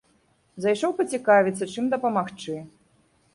Зайшоў пацікавіцца чым дапамагчы.